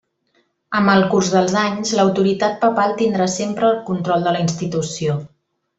Amb el curs dels anys l'autoritat papal tindrà sempre el control de la institució.